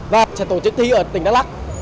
và sẽ tổ chức thi ở tỉnh đắk lắc